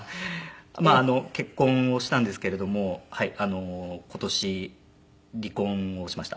まあ結婚をしたんですけれども今年離婚をしました。